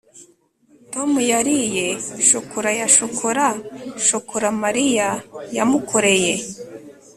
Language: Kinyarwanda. tom yariye shokora ya shokora shokora mariya yamukoreye